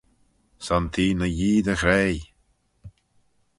Son t'eh ny Yee dy ghraih.